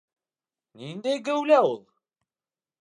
Ниндәй геүләү ул?